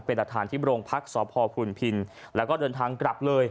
เป็นหลักฐานที่โรงพักษพุนพินแล้วก็เดินทางกลับเลย